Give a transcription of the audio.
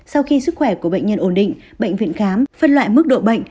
sau khi sức khỏe của bệnh nhân ổn định bệnh viện khám phân loại mức độ bệnh